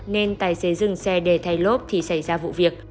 nên tài xế dừng xe để thay lốp thì xảy ra vụ việc